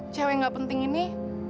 cewek gak penting ini